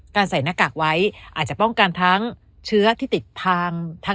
ใส่หน้ากากไว้อาจจะป้องกันทั้งเชื้อที่ติดทาง